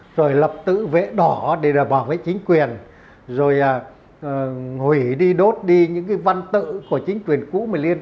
rồi lập tự vệ đỏ để bảo vệ chính quyền rồi hủy đi đốt đi những cái văn tự của chính quyền cũ mà liên